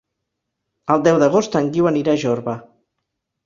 El deu d'agost en Guiu anirà a Jorba.